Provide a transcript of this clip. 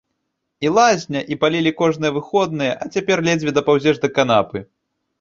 І лазня, і палілі кожныя выходныя, а цяпер ледзьве дапаўзеш да канапы.